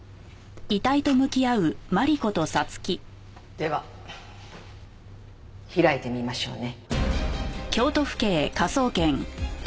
では開いてみましょうね。